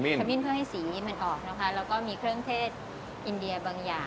ขมิ้นเพื่อให้สีมันออกนะคะแล้วก็มีเครื่องเทศอินเดียบางอย่าง